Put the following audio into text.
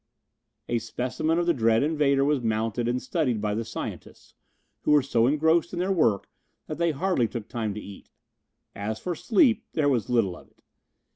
A specimen of the dread invader was mounted and studied by the scientists, who were so engrossed in their work that they hardly took time to eat. As for sleep, there was little of it.